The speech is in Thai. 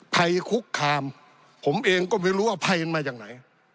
ภัยคุกคามผมเองก็ไม่รู้ว่าภัยมันมาจากไหน